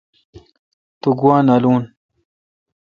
تو گوا نالون۔